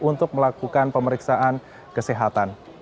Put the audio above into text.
untuk melakukan pemeriksaan kesehatan